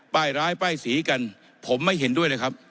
ร้ายป้ายสีกันผมไม่เห็นด้วยนะครับ